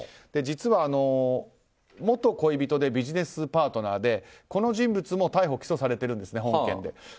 実は元恋人でビジネスパートナーでこの人物も逮捕・起訴されているんですね、本件で。